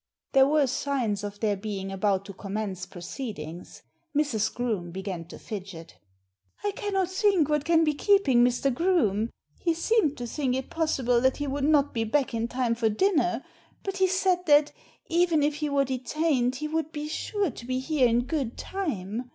There were signs of their being about to commence proceedings. Mrs. Groome began to fidget Digitized by VjOOQIC 236 THE SEEN AND THE UNSEEN " I cannot think what can be keeping Mr. Groome. He seemed to think it possible that he would not be back in time for dinner, but he said that, even if he were detained, he would be sure to be here in good time.